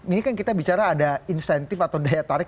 ini kan kita bicara ada insentif atau daya tarik